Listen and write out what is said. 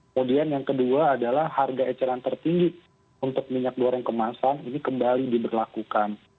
kemudian yang kedua adalah harga eceran tertinggi untuk minyak goreng kemasan ini kembali diberlakukan